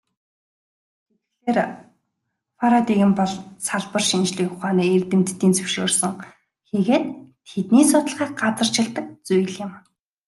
Тэгэхлээр, парадигм бол салбар шинжлэх ухааны эрдэмтдийн зөвшөөрсөн хийгээд тэдний судалгааг газарчилдаг зүйл юм.